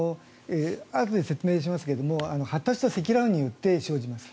あとで説明しますが発達した積乱雲によって生じます。